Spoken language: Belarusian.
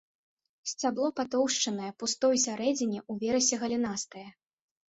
Сцябло патоўшчанае, пустое ўсярэдзіне, уверсе галінастае.